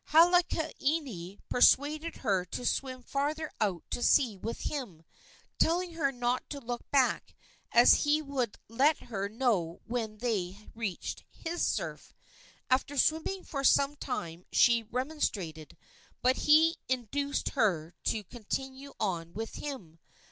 Halaaniani persuaded her to swim farther out to sea with him, telling her not to look back, as he would let her know when they reached his surf. After swimming for some time she remonstrated, but he induced her to continue on with him.